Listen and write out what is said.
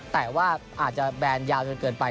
แต่ว่าอาจจะแบนยาวจนเกินไป